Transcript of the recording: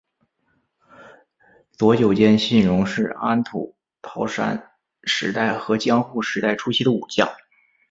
佐久间信荣是安土桃山时代和江户时代初期的武将。